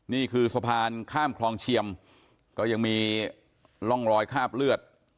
นี่คือสะพานข้ามคลองเชียมก็ยังมีร่องรอยคาบเลือด